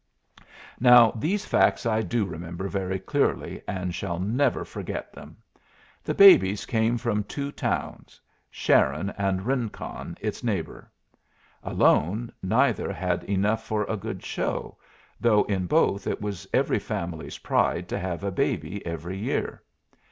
Now these facts I do remember very clearly, and shall never forget them. The babies came from two towns Sharon, and Rincon its neighbor. Alone, neither had enough for a good show, though in both it was every family's pride to have a baby every year.